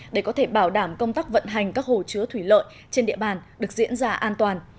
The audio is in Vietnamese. để có thể bảo đảm công tác vận hành các hồ chứa thủy lợi trên địa bàn được diễn ra an toàn